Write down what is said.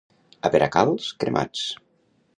A Peracalç, cremats.